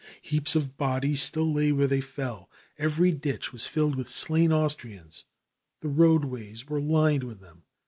Heaps of bodies still lay where they fell. Every ditch was filled with slain Austrians, the roadways were lined with them.